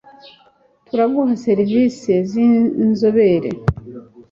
Turaguha serivisi zinzobere